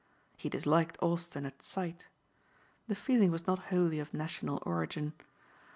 He disliked Austin at sight. The feeling was not wholly of national origin.